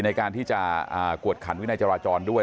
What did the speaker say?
ในการที่จะกวดขันวินัยจราจรด้วย